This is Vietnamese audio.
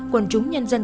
quần chúng nhân dân